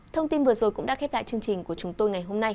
thông tin vừa rồi cũng đã khép lại chương trình